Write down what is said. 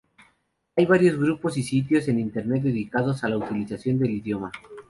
Hay varios grupos y sitios en Internet dedicados a la utilización del idioma.